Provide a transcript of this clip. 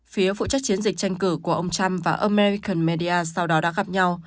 phía phụ trách chiến dịch tranh cử của ông trump và american media sau đó đã gặp nhau